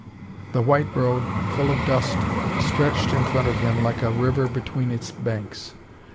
The white road, full of dust, stretched in front of him, like a river between its banks.